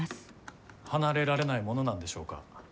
離れられないものなんでしょうか。